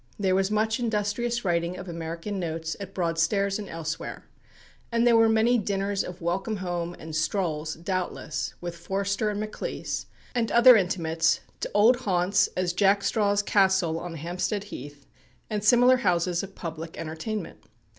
There was much industrious writing of "American Notes," at Broadstairs and elsewhere; and there were many dinners of welcome home, and strolls, doubtless, with Forster and Maclise, and other intimates, to old haunts, as Jack Straw's Castle on Hampstead Heath, and similar houses of public entertainment.